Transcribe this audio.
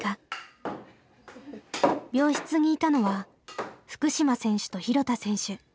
病室にいたのは福島選手と廣田選手。